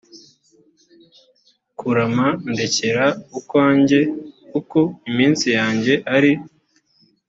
kurama ndekera ukwanjye kuko iminsi yanjye ari